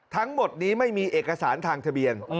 ทั้งหมดนี้ไม่มีเอกสารทางทะเบียน